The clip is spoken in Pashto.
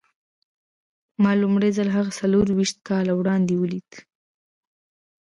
ما لومړی ځل هغه څلور ويشت کاله وړاندې وليد.